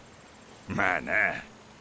まあな。